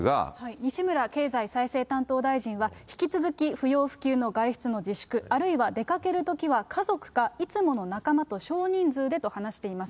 西村経済再生担当大臣は、引き続き不要不急の外出の自粛、あるいは出かけるときは家族か、いつもの仲間と少人数でと話しています。